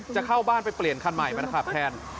จะเข้าบ้านไปเปลี่ยนคันใหม่มาขับแทน